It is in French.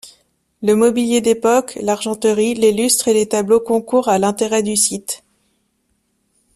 Le mobilier d’époque, l’argenterie, les lustres et les tableaux concourent à l’intérêt du site.